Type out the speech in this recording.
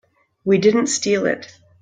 We didn't steal it.